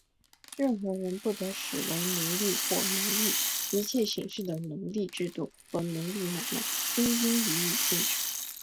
任何人不得使为奴隶或奴役;一切形式的奴隶制度和奴隶买卖,均应予以禁止。